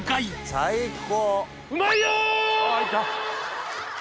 最高！